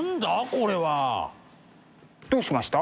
これは。どうしました？